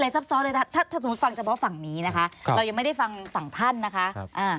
ซับซ้อนเลยถ้าสมมุติฟังเฉพาะฝั่งนี้นะคะเรายังไม่ได้ฟังฝั่งท่านนะคะ